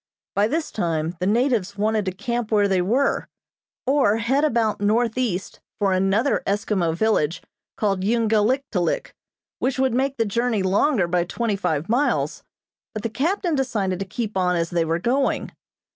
By this time the natives wanted to camp where they were, or head about northeast for another Eskimo village called Ungaliktulik, which would make the journey longer by twenty five miles, but the captain decided to keep on as they were going.